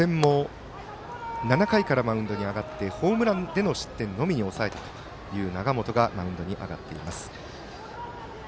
初戦も７回からマウンドに上がってホームランでの失点のみに抑えたという永本がマウンドに上がっています。